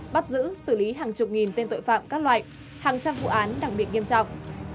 bắt giữ xử lý hàng chục nghìn tên tội phạm các loại hàng trăm vụ án đặc biệt nghiêm trọng